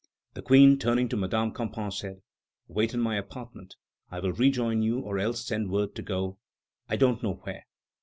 The Queen, turning to Madame Campan, said: "Wait in my apartment; I will rejoin you or else send word to go I don't know where."